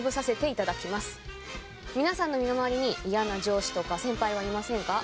皆さんの身の回りに嫌な上司とか先輩はいませんか？